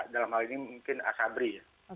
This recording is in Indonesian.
dalam hal ini mungkin asabri ya